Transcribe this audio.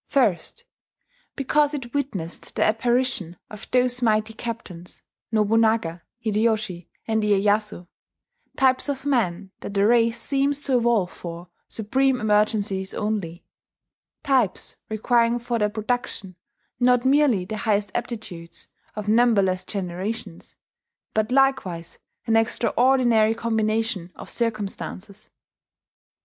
First, because it witnessed the apparition of those mighty captains, Nobunaga, Hideyoshi, and Iyeyasu, types of men that a race seems to evolve for supreme emergencies only, types requiring for their production not merely the highest aptitudes of numberless generations, but likewise an extraordinary combination of circumstances.